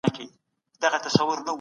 هر انسان بايد د خپلي ژبي ساتنه زده کړي.